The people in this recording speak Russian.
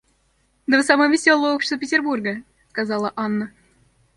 Да вы самое веселое общество Петербурга,— сказала Анна.